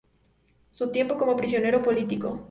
Su tiempo como prisionero político.